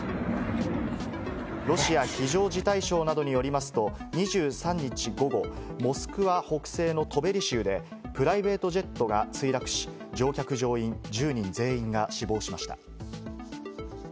ロシア非常事態省などによりますと、２３日午後、モスクワ北西のトベリ州でプライベートジェットが墜落し、乗客乗員１０人全員が死亡しました。